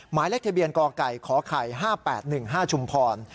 หมายเลขทะเบียนกไก่ขไข่๕๘๑๕ชุมพร